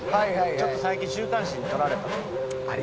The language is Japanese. ちょっと最近週刊誌に撮られたと。